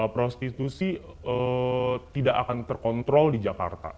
prostitusi tidak akan terkontrol di jakarta